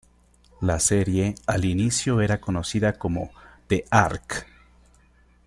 La serie al inicio era conocida como "The Ark".